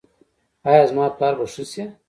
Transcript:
ایا زما پلار به ښه شي؟